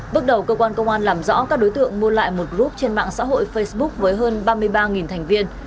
bước đầu công an tp bun ma thuột làm rõ các đối tượng mua lại một group trên mạng xã hội facebook với hơn ba mươi ba thành viên